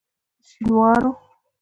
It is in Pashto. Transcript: شینوارو.